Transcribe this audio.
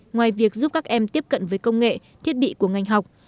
ngoài việc giúp các em tiếp cận với công nghệ thiết bị của ngành học